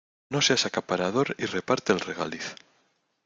No seas acaparador y reparte el regaliz.